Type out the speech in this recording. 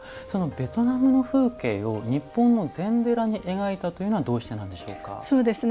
ベトナムの風景を日本の禅寺に描いたというのはどうしてなんでしょうか？